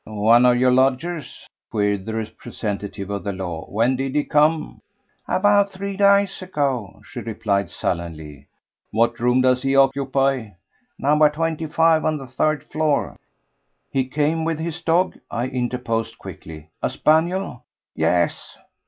"One of your lodgers?" queried the representative of the law. "When did he come?" "About three days ago," she replied sullenly. "What room does he occupy?" "Number twenty five on the third floor." "He came with his dog?" I interposed quickly, "a spaniel?" "Yes."